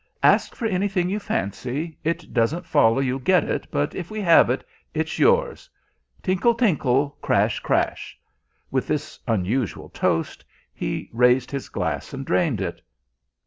"Ask for anything you fancy. It doesn't follow you'll get it, but if we have it, it's yours. Tinkle, tinkle; crash, crash!" With this unusual toast he raised his glass and drained it.